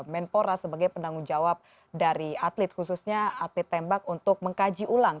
menpora sebagai penanggung jawab dari atlet khususnya atlet tembak untuk mengkaji ulang